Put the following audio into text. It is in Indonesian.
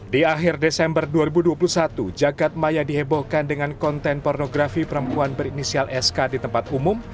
di akhir desember dua ribu dua puluh satu jagadmaya dihebohkan dengan konten pornografi perempuan berinisial sk di tempat umum